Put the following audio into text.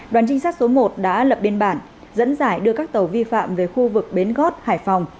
đoàn trinh sát số một đã lập biên bản dẫn giải đưa các tàu vi phạm về khu vực bến gót hải phòng